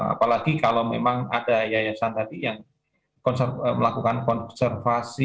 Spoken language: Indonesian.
apalagi kalau memang ada yayasan tadi yang melakukan konservasi